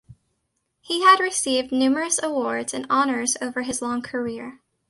He had received numerous awards and honours over his long career.